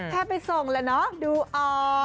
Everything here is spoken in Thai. แค่ไปส่งแล้วเนอะดูออก